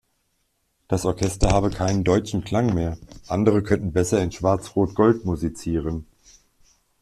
Das Orchester habe keinen „deutschen Klang“ mehr, andere könnten besser „in Schwarz-Rot-Gold“ musizieren.